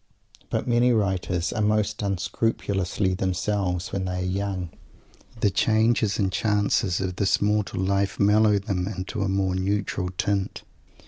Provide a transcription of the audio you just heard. But many writers are most unscrupulously themselves when they are young. The changes and chances of this mortal life mellow them into a more neutral tint.